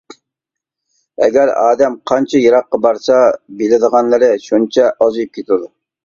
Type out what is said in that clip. ئەگەر ئادەم قانچە يىراققا بارسا، بىلىدىغانلىرى شۇنچە ئازىيىپ كېتىدۇ.